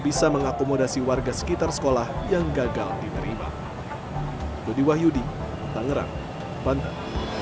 bisa mengakomodasi warga sekitar sekolah yang gagal diterima dodi wahyudi tangerang banten